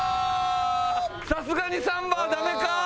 さすがにサンバはダメか！